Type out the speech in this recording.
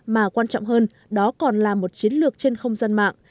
mà quan trọng hơn đó còn là một chiến lược trên không gian mạng